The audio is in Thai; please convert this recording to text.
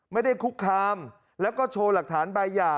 คุกคามแล้วก็โชว์หลักฐานใบหย่า